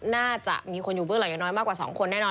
น่าจะมีคนอยู่เบื้องหลังอย่างน้อยมากกว่า๒คนแน่นอน